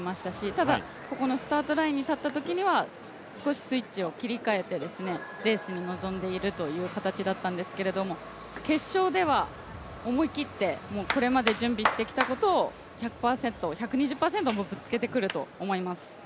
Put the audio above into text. ただここのスタートラインに立ったときは少しスイッチを切り替えてレースに臨んでいるという形だったんですけれども決勝では思い切って、これまで準備してきたを１００％、１２０％ぶつけてくると思います。